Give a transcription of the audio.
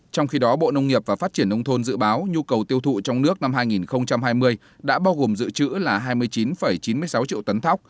trong khi đó bộ nông nghiệp và phát triển nông thôn dự báo nhu cầu tiêu thụ trong nước năm hai nghìn hai mươi đã bao gồm dự trữ là hai mươi chín chín mươi sáu triệu tấn thóc